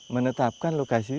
menetapkan lokasi ini